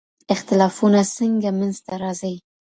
اختلافونه څنګه منځ ته راځي؟